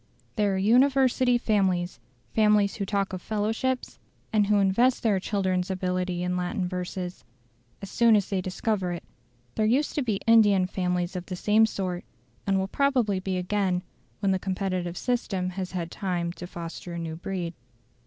There are University families families who talk of fellowships, and who invest their children's ability in Latin verses, as soon as they discover it; there used to be Indian families of the same sort, and probably will be again when the competitive system has had time to foster a new breed.